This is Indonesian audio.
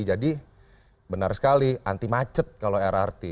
jadi benar sekali anti macet kalau lrt